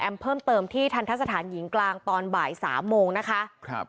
เพิ่มเติมที่ทันทะสถานหญิงกลางตอนบ่ายสามโมงนะคะครับ